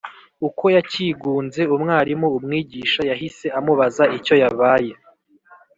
Uko yakigunze umwarimu umwigisha yahise amubaza icyo yabaye